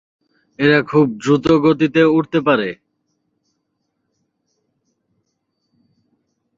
এরা খুব দ্রুত গতিতে উড়তে পারে।